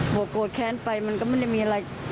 พอโกรธแค้นไปมันก็ไม่ได้มีอะไร